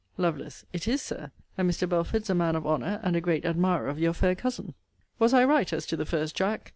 Lovel. It is, Sir; and Mr. Belford's a man of honour; and a great admirer of your fair cousin. Was I right, as to the first, Jack?